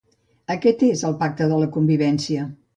Aquest és el pacte de la convivència.